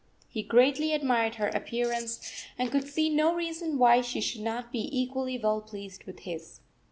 He greatly admired her appearance, and could see no reason why she should not be equally well pleased with his.